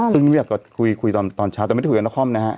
ซึ่งไม่ได้คุยกับตอนเช้าแต่ไม่ได้คุยกับนครนะฮะ